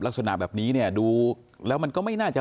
ก็แน่นอนว่า